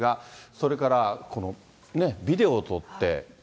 それからこのビデオを撮って。